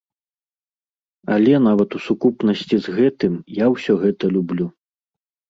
Але нават у сукупнасці з гэтым я ўсё гэта люблю.